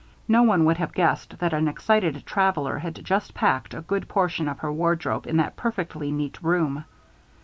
No one would have guessed that an excited traveler had just packed a good portion of her wardrobe in that perfectly neat room.